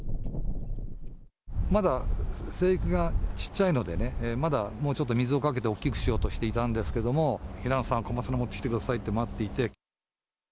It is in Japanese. まだ生育がちっちゃいのでね、まだもうちょっと、水をかけて大きくしようとしていたんですけども、平野さん小松菜持ってきてくださいって待っていて。